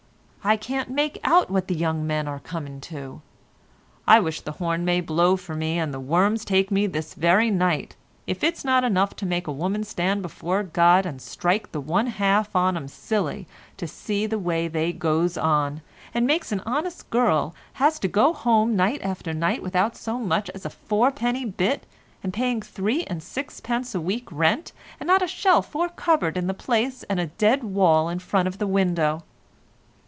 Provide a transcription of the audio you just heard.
I can't make out what the young men are a coming to; I wish the horn may blow for me and the worms take me this very night, if it's not enough to make a woman stand before God and strike the one half on 'em silly to see the way they goes on, and many an honest girl has to go home night after night without so much as a fourpenny bit and paying three and sixpence a week rent, and not a shelf nor cupboard in the place and a dead wall in front of the window.